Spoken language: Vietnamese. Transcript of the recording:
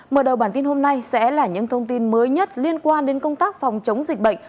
mở đầu bản tin hôm nay sẽ là những thông tin mới nhất liên quan đến công tác phòng chống dịch bệnh